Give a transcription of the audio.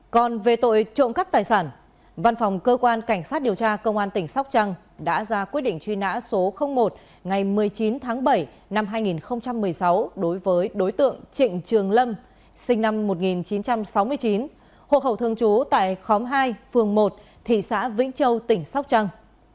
còn về tội trộm cắt tài sản văn phòng cơ quan cảnh sát điều tra công an tỉnh sóc trăng đã ra quyết định truy nã số một ngày một mươi chín tháng bảy năm hai nghìn một mươi sáu đối với đối tượng trịnh trường lâm sinh năm một nghìn chín trăm sáu mươi chín hộ khẩu thường trú tại khóm hai phường một thị xã vĩnh châu tỉnh sóc trăng